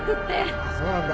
あっそうなんだ